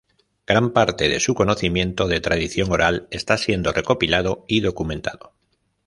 Gran parte de su conocimiento de tradición oral está siendo recopilado y documentado.